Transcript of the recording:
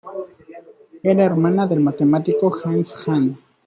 Era hermana del matemático Hans Hahn.